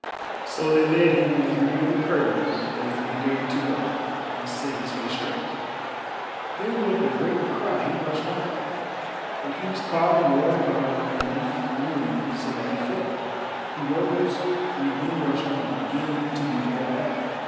So they led him as near the curtains as they dared to go and set his face straight. Then with a great cry he rushed on. But he was caught and whirled about like a leaf in a wind, so that he fell. He rose and again rushed on, again to be whirled back.